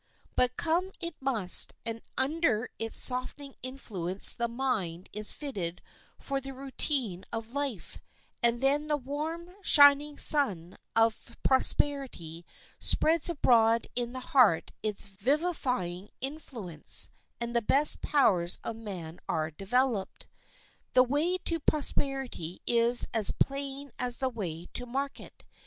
But come it must, and under its softening influence the mind is fitted for the routine of life, and then the warm, shining sun of prosperity spreads abroad in the heart its vivifying influence, and the best powers of man are developed. The way to prosperity is as plain as the way to market.